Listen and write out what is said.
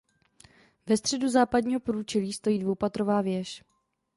Ve středu západního průčelí stojí dvoupatrová věž.